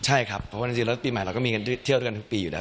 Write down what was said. ใช่ครับเพราะว่าปีใหม่เราก็เที่ยวกันทุกปีอยู่แล้ว